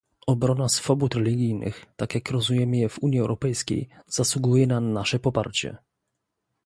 Obrona swobód religijnych, tak jak rozumiemy je w Unii Europejskiej, zasługuje na nasze poparcie